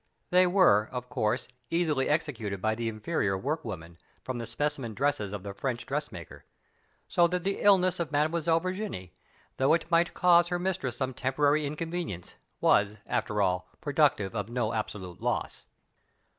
They were, of course, easily executed by the inferior work women, from the specimen designs of the French dressmaker. So that the illness of Mademoiselle Virginie, though it might cause her mistress some temporary inconvenience, was, after all, productive of no absolute loss.